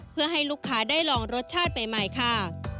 เพื่อให้ลูกค้าได้ลองรสชาติใหม่ค่ะ